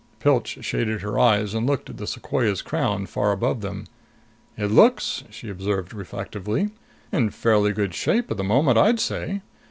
Pilch shaded her eyes and looked at the sequoia's crown far above them. "It looks," she observed reflectively, "in fairly good shape at the moment, I'd say!"